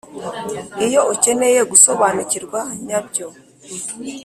“iyo ukeneye gusobanukirwa nyabyo,